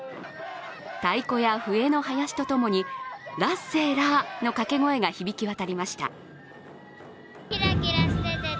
太鼓や笛のはやしとともにラッセラーのかけ声が響き渡りました。